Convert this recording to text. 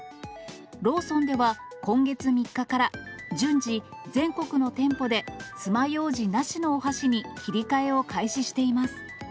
ローソンでは今月３日から順次、全国の店舗でつまようじなしのお箸に切り替えを開始しています。